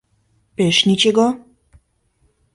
Пеш ничего.